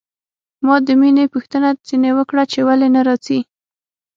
ما د مينې پوښتنه ځنې وکړه چې ولې نه راځي.